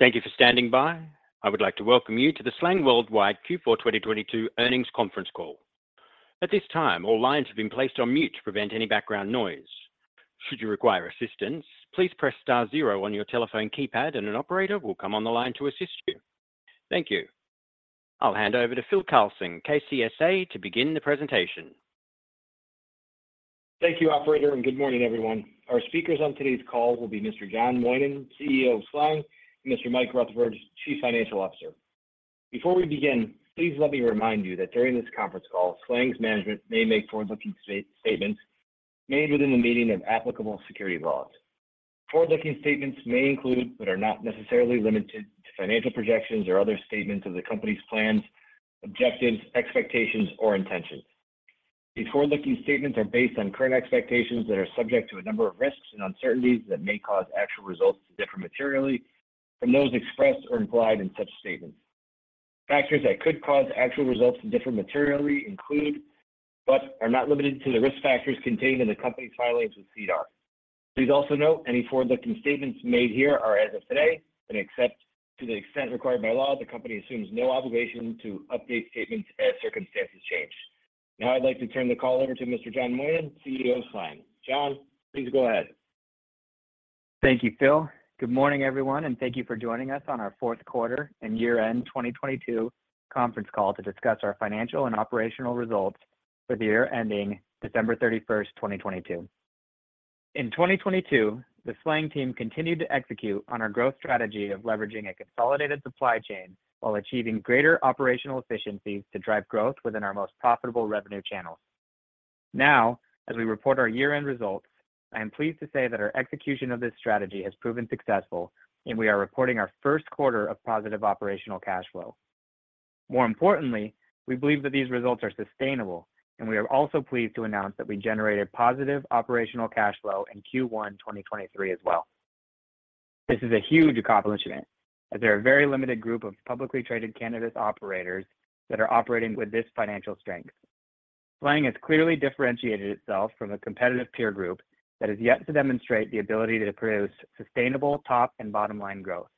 Thank you for standing by. I would like to welcome you to the SLANG Worldwide Q4 2022 Earnings Conference Call. At this time, all lines have been placed on mute to prevent any background noise. Should you require assistance, please press star zero on your telephone keypad, and an operator will come on the line to assist you. Thank you. I'll hand over to Phil Carlson, KCSA, to begin the presentation. Thank you, operator. Good morning, everyone. Our speakers on today's call will be Mr. John Moynan, CEO of SLANG, and Mr. Mikel Rutherford, Chief Financial Officer. Before we begin, please let me remind you that during this conference call, SLANG's management may make forward-looking statements made within the meaning of applicable security laws. Forward-looking statements may include, are not necessarily limited to financial projections or other statements of the company's plans, objectives, expectations, or intentions. These forward-looking statements are based on current expectations that are subject to a number of risks and uncertainties that may cause actual results to differ materially from those expressed or implied in such statements. Factors that could cause actual results to differ materially include, are not limited to, the risk factors contained in the company's filings with SEDAR. Please also note any forward-looking statements made here are as of today, and except to the extent required by law, the company assumes no obligation to update statements as circumstances change. Now I'd like to turn the call over to Mr. John Moynan, CEO of SLANG. John, please go ahead. Thank you, Phil. Good morning, everyone, and thank you for joining us on our Q4 and year-end 2022 conference call to discuss our financial and operational results for the year ending December 31st, 2022. In 2022, the SLANG team continued to execute on our growth strategy of leveraging a consolidated supply chain while achieving greater operational efficiencies to drive growth within our most profitable revenue channels. As we report our year-end results, I am pleased to say that our execution of this strategy has proven successful, and we are reporting our Q1 of positive operational cash flow. More importantly, we believe that these results are sustainable, and we are also pleased to announce that we generated positive operational cash flow in Q1 2023 as well. This is a huge accomplishment as there are a very limited group of publicly traded cannabis operators that are operating with this financial strength. SLANG has clearly differentiated itself from a competitive peer group that has yet to demonstrate the ability to produce sustainable top and bottom-line growth.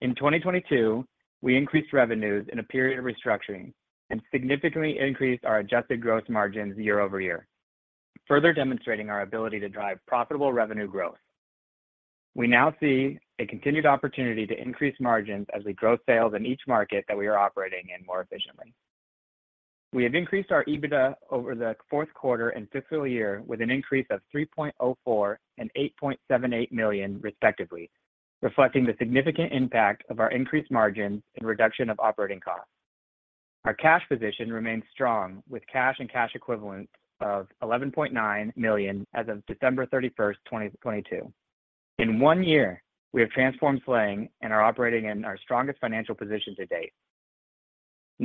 In 2022, we increased revenues in a period of restructuring and significantly increased our adjusted growth margins year-over-year, further demonstrating our ability to drive profitable revenue growth. We now see a continued opportunity to increase margins as we grow sales in each market that we are operating in more efficiently. We have increased our EBITDA over the Q4 and fiscal year with an increase of 3.04 million and 8.78 million, respectively, reflecting the significant impact of our increased margins and reduction of operating costs. Our cash position remains strong with cash and cash equivalents of 11.9 million as of December 31st, 2022. In one year, we have transformed SLANG and are operating in our strongest financial position to date.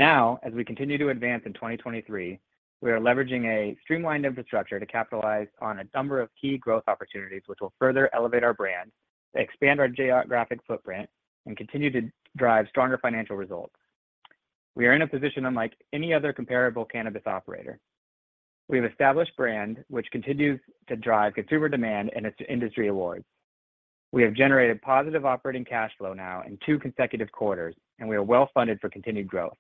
As we continue to advance in 2023, we are leveraging a streamlined infrastructure to capitalize on a number of key growth opportunities, which will further elevate our brand, expand our geographic footprint, and continue to drive stronger financial results. We are in a position unlike any other comparable cannabis operator. We have established brand, which continues to drive consumer demand and its industry awards. We have generated positive operating cash flow now in two consecutive quarters, and we are well-funded for continued growth.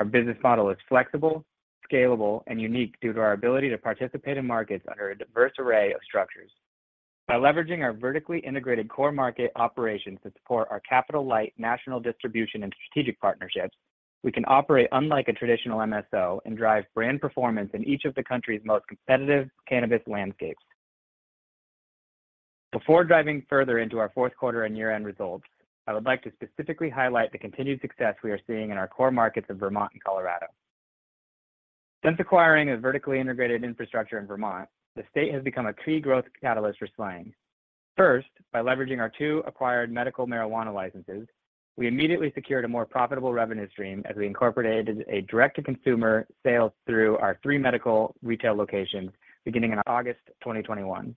Our business model is flexible, scalable, and unique due to our ability to participate in markets under a diverse array of structures. By leveraging our vertically integrated core market operations to support our capital-light national distribution and strategic partnerships, we can operate unlike a traditional MSO and drive brand performance in each of the country's most competitive cannabis landscapes. Before diving further into our Q4 and year-end results, I would like to specifically highlight the continued success we are seeing in our core markets of Vermont and Colorado. Since acquiring a vertically integrated infrastructure in Vermont, the state has become a key growth catalyst for SLANG. First, by leveraging our two acquired medical marijuana licenses, we immediately secured a more profitable revenue stream as we incorporated a direct-to-consumer sales through our three medical retail locations beginning in August 2021.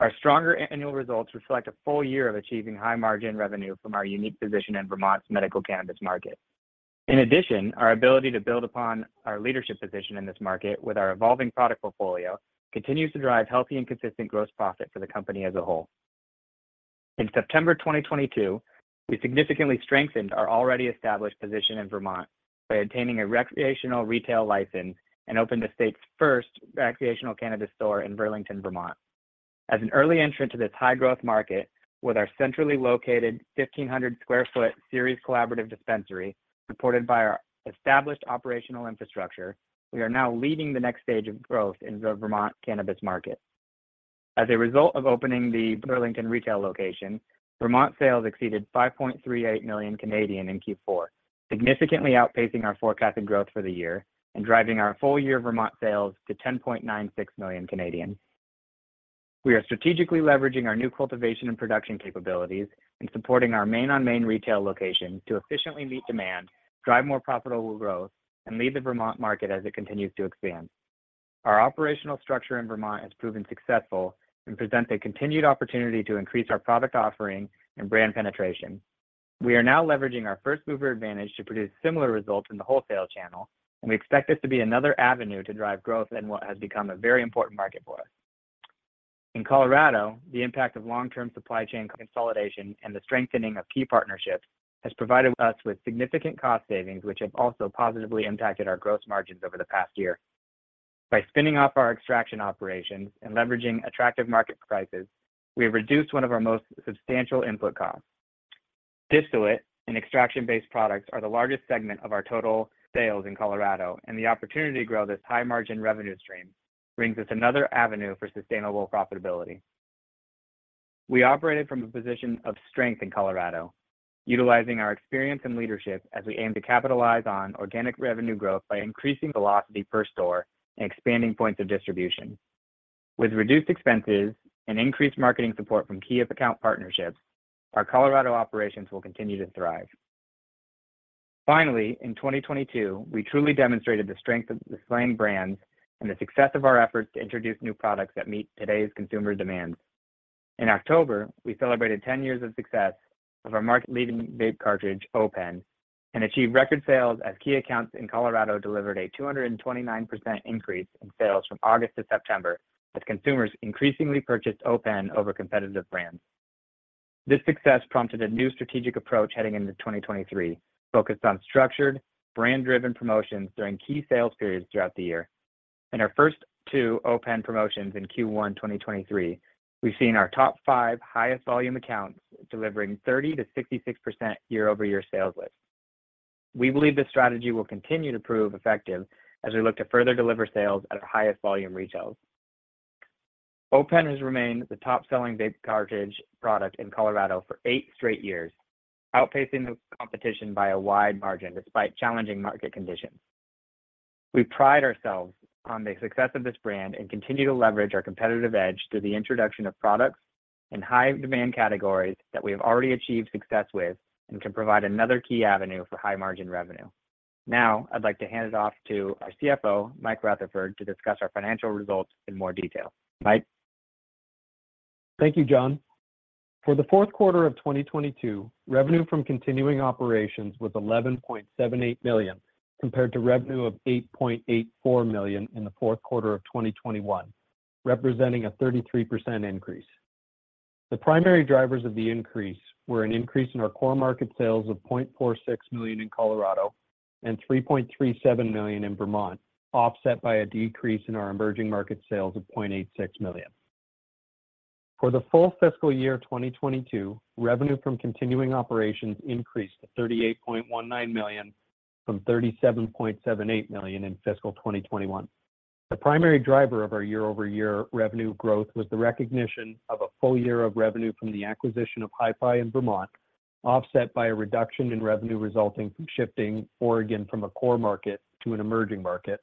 Our stronger annual results reflect a full year of achieving high-margin revenue from our unique position in Vermont's medical cannabis market. In addition, our ability to build upon our leadership position in this market with our evolving product portfolio continues to drive healthy and consistent gross profit for the company as a whole. In September 2022, we significantly strengthened our already established position in Vermont by obtaining a recreational retail license and opened the state's first recreational cannabis store in Burlington, Vermont. As an early entrant to this high-growth market with our centrally located 1,500 sq ft Ceres Collaborative dispensary supported by our established operational infrastructure, we are now leading the next stage of growth in the Vermont cannabis market. As a result of opening the Burlington retail location, Vermont sales exceeded 5.38 million in Q4, significantly outpacing our forecasted growth for the year and driving our full-year Vermont sales to 10.96 million. We are strategically leveraging our new cultivation and production capabilities and supporting our Main on Main retail location to efficiently meet demand, drive more profitable growth, and lead the Vermont market as it continues to expand. Our operational structure in Vermont has proven successful and presents a continued opportunity to increase our product offering and brand penetration. We are now leveraging our first mover advantage to produce similar results in the wholesale channel, and we expect this to be another avenue to drive growth in what has become a very important market for us. In Colorado, the impact of long-term supply chain consolidation and the strengthening of key partnerships has provided us with significant cost savings, which have also positively impacted our gross margins over the past year. By spinning off our extraction operations and leveraging attractive market prices, we have reduced one of our most substantial input costs. Distillate and extraction-based products are the largest segment of our total sales in Colorado, the opportunity to grow this high-margin revenue stream brings us another avenue for sustainable profitability. We operated from a position of strength in Colorado, utilizing our experience and leadership as we aim to capitalize on organic revenue growth by increasing velocity per store and expanding points of distribution. With reduced expenses and increased marketing support from key account partnerships, our Colorado operations will continue to thrive. Finally, in 2022, we truly demonstrated the strength of the SLANG brands and the success of our efforts to introduce new products that meet today's consumer demands. In October, we celebrated 10 years of success of our market-leading vape cartridge, O.pen, and achieved record sales as key accounts in Colorado delivered a 229% increase in sales from August to September, as consumers increasingly purchased O.pen over competitive brands. This success prompted a new strategic approach heading into 2023, focused on structured, brand-driven promotions during key sales periods throughout the year. In our first two O.pen promotions in Q1, 2023, we've seen our top five highest volume accounts delivering 30%-66% year-over-year sales lift. We believe this strategy will continue to prove effective as we look to further deliver sales at our highest volume retails. O.pen has remained the top-selling vape cartridge product in Colorado for eight straight years, outpacing the competition by a wide margin despite challenging market conditions. We pride ourselves on the success of this brand and continue to leverage our competitive edge through the introduction of products in high-demand categories that we have already achieved success with and can provide another key avenue for high-margin revenue. I'd like to hand it off to our CFO, Mikel Rutherford, to discuss our financial results in more detail. Mike. Thank you, John. For the Q4 of 2022, revenue from continuing operations was 11.78 million, compared to revenue of 8.84 million in the Q4 of 2021, representing a 33% increase. The primary drivers of the increase were an increase in our core market sales of 0.46 million in Colorado and 3.37 million in Vermont, offset by a decrease in our emerging market sales of 0.86 million. For the full fiscal year 2022, revenue from continuing operations increased to 38.19 million from 37.78 million in fiscal 2021. The primary driver of our year-over-year revenue growth was the recognition of a full year of revenue from the acquisition of HiFi in Vermont, offset by a reduction in revenue resulting from shifting Oregon from a core market to an emerging market,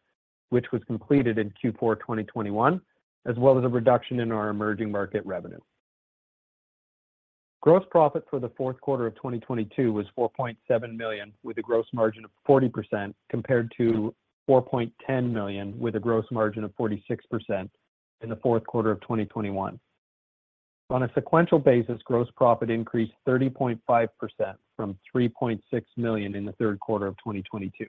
which was completed in Q4 2021, as well as a reduction in our emerging market revenue. Gross profit for the Q4 of 2022 was 4.7 million, with a gross margin of 40%, compared to 4.10 million, with a gross margin of 46% in the Q4 of 2021. On a sequential basis, gross profit increased 30.5% from 3.6 million in the Q3 of 2022.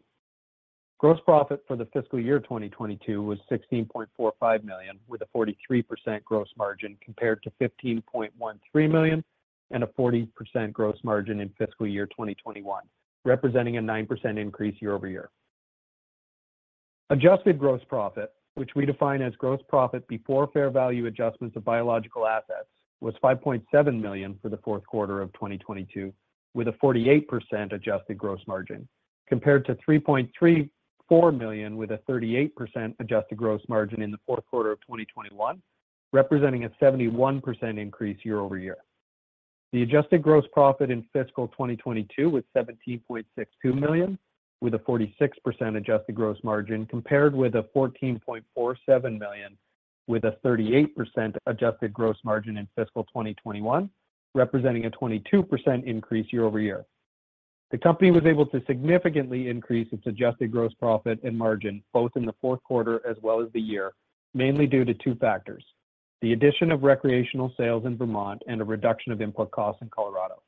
Gross profit for the fiscal year 2022 was 16.45 million, with a 43% gross margin, compared to 15.13 million and a 40% gross margin in fiscal year 2021, representing a 9% increase year-over-year. Adjusted gross profit, which we define as gross profit before fair value adjustments of biological assets, was 5.7 million for the Q4 of 2022, with a 48% adjusted gross margin, compared to 3.34 million with a 38% adjusted gross margin in the Q4 of 2021, representing a 71% increase year-over-year. The adjusted gross profit in fiscal 2022 was 17.62 million, with a 46% adjusted gross margin, compared with 14.47 million with a 38% adjusted gross margin in fiscal 2021, representing a 22% increase year-over-year. The company was able to significantly increase its adjusted gross profit and margin, both in the Q4 as well as the year, mainly due to two factors: the addition of recreational sales in Vermont and a reduction of input costs in Colorado.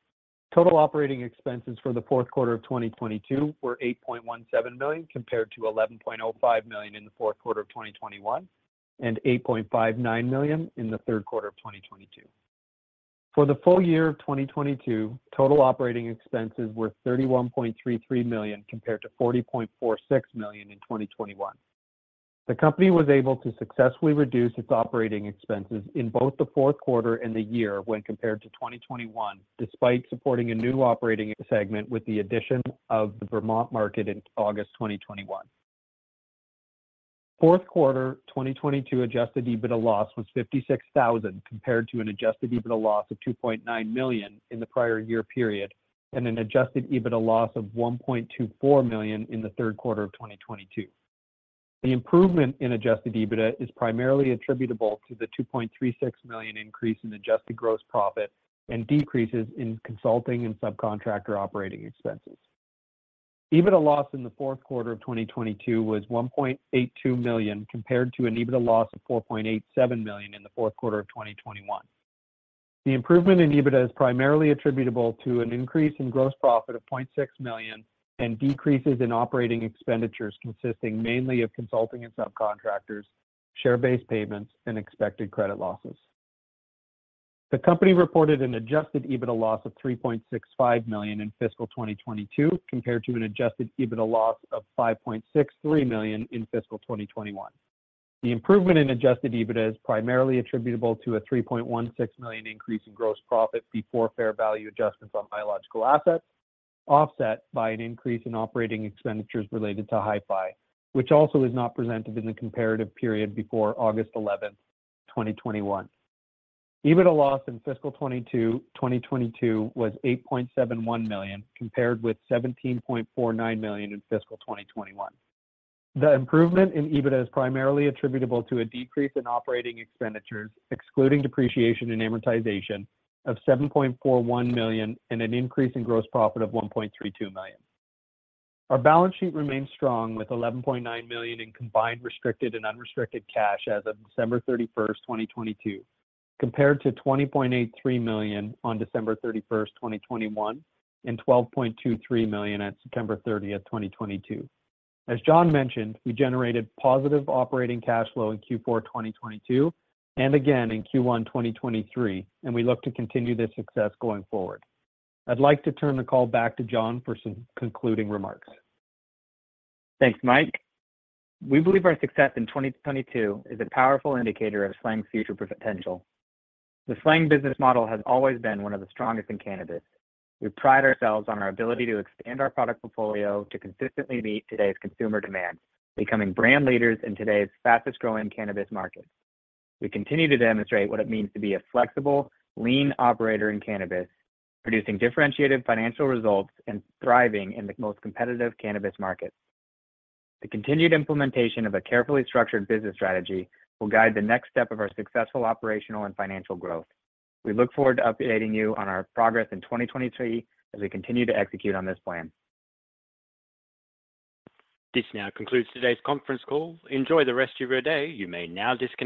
Total operating expenses for the Q4 of 2022 were 8.17 million compared to 11.05 million in the Q4 of 2021, and 8.59 million in the Q3 of 2022. For the full year of 2022, total operating expenses were 31.33 million compared to 40.46 million in 2021. The company was able to successfully reduce its operating expenses in both the Q4 and the year when compared to 2021, despite supporting a new operating segment with the addition of the Vermont market in August 2021. Q4 2022 adjusted EBITDA loss was 56,000 compared to an adjusted EBITDA loss of 2.9 million in the prior year period and an adjusted EBITDA loss of 1.24 million in the Q3 of 2022. The improvement in adjusted EBITDA is primarily attributable to the 2.36 million increase in adjusted gross profit and decreases in consulting and subcontractor operating expenses. EBITDA loss in the Q4 of 2022 was 1.82 million compared to an EBITDA loss of 4.87 million in the Q4 of 2021. The improvement in EBITDA is primarily attributable to an increase in gross profit of 0.6 million and decreases in operating expenditures consisting mainly of consulting and subcontractors, share-based payments, and expected credit losses. The company reported an adjusted EBITDA loss of 3.65 million in fiscal 2022 compared to an adjusted EBITDA loss of 5.63 million in fiscal 2021. The improvement in adjusted EBITDA is primarily attributable to a 3.16 million increase in gross profit before fair value adjustments on biological assets, offset by an increase in operating expenditures related to Hi-Fi, which also is not presented in the comparative period before August 11, 2021. EBITDA loss in fiscal 22, 2022 was 8.71 million compared with 17.49 million in fiscal 2021. The improvement in EBITDA is primarily attributable to a decrease in operating expenditures, excluding depreciation and amortization of 7.41 million and an increase in gross profit of 1.32 million. Our balance sheet remains strong with 11.9 million in combined restricted and unrestricted cash as of December 31st, 2022, compared to 20.83 million on December 31st, 2021, and 12.23 million at September 30th, 2022. As John mentioned, we generated positive operating cash flow in Q4 2022, and again in Q1 2023, we look to continue this success going forward. I'd like to turn the call back to John for some concluding remarks. Thanks, Mike. We believe our success in 2022 is a powerful indicator of SLANG's future potential. The SLANG business model has always been one of the strongest in cannabis. We pride ourselves on our ability to expand our product portfolio to consistently meet today's consumer demand, becoming brand leaders in today's fastest-growing cannabis markets. We continue to demonstrate what it means to be a flexible, lean operator in cannabis, producing differentiated financial results and thriving in the most competitive cannabis markets. The continued implementation of a carefully structured business strategy will guide the next step of our successful operational and financial growth. We look forward to updating you on our progress in 2023 as we continue to execute on this plan. This now concludes today's conference call. Enjoy the rest of your day. You may now disconnect.